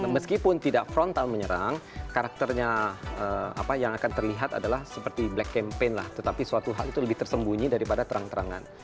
meskipun tidak frontal menyerang karakternya apa yang akan terlihat adalah seperti black campaign lah tetapi suatu hal itu lebih tersembunyi daripada terang terangan